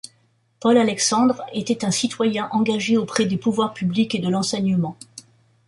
Paul Alexandre était un citoyen engagé auprès des pouvoirs publics et de l'enseignement.